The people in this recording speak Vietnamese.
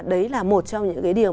đấy là một trong những cái điều